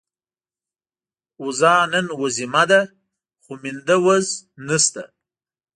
وزه نن وزيمه ده، خو مينده وز نشته